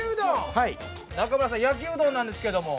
中村さん焼きうどんなんですけども。